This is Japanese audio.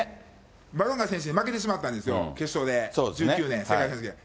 マロンガ選手に負けてしまったんですよ、決勝で、１９年、世界選手権。